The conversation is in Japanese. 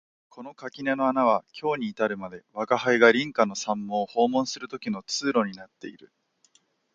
この垣根の穴は今日に至るまで吾輩が隣家の三毛を訪問する時の通路になっている